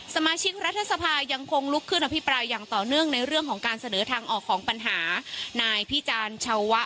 สมาชิกรัฐสภายังคงลุกขึ้นอภิปรายอย่างต่อเนื่องในเรื่องของการเสนอทางออกของปัญหานายพิจารณ์ชาวะ